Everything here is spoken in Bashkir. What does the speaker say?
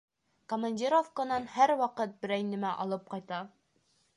Командировканан һәр ваҡыт берәй нәмә алып ҡайта.